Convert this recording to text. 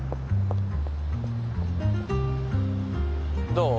どう？